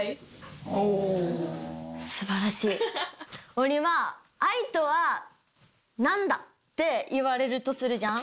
王林は「愛とは何だ？」って言われるとするじゃん？